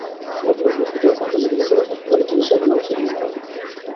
গতকাল বৃহস্পতিবার Dhaka medical college হাসপাতালে চিকিৎসাধীন অবস্থায় তিনি মারা যান।